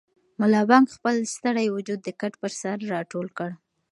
ملا بانګ خپل ستړی وجود د کټ پر سر راټول کړ.